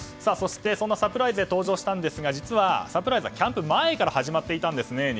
そして、そんなサプライズで登場したんですが実はサプライズはキャンプ前から始まっていたんですね。